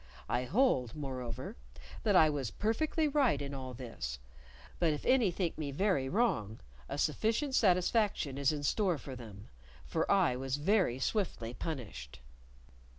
I hold, moreover, that I was perfectly right in all this; but if any think me very wrong, a sufficient satisfaction is in store for them, for I was very swiftly punished.